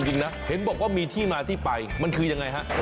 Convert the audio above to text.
และเห็นบอกว่ามีที่มาที่ไปมันคือยังไงครับ